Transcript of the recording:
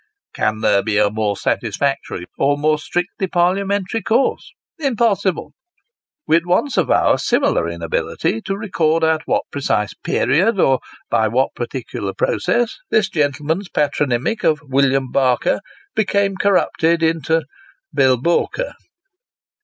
Can there be a more satisfactory, or more strictly parliamentary course ? Impossible. We tt once avow a similar inability to record at what precise period, or by what particular process, this gentleman's patronymic, of William Barker, became corrupted into " Bill Boorker."